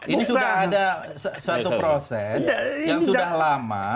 ini sudah ada suatu proses yang sudah lama